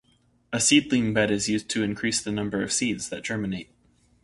A seedling bed is used to increase the number of seeds that germinate.